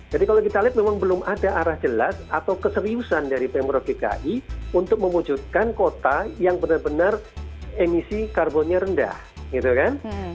jadi kalau kita lihat memang belum ada arah jelas atau keseriusan dari pmro gki untuk memwujudkan kota yang benar benar emisi karbonnya rendah gitu kan